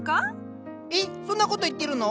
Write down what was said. えっそんな事言ってるの？